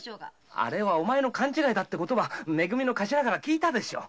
あれはお前の勘違いだってめ組の頭から聞いたでしょ。